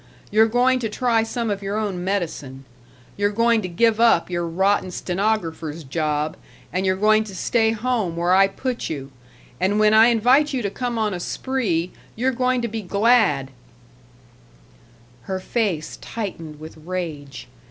You're going to try some of your own medicine. You're going to give up your rotten stenographer's job, and you're going to stay home where I put you, and when I invite you to come on a spree you're going to be glad " Her face tightened with rage.